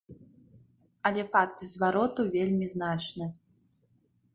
Але факт звароту вельмі значны.